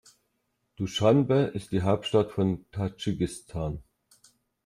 Duschanbe ist die Hauptstadt von Tadschikistan.